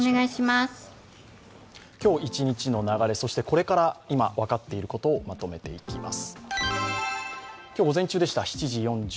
今日一日の流れ、そしてこれから今分かっているところをまとめていきます。